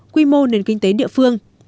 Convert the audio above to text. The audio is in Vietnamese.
quy mô nền kinh tế địa phương